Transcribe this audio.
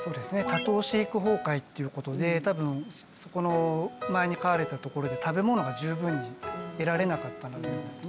多頭飼育崩壊ということで多分前に飼われてたところで食べ物が十分に得られなかった。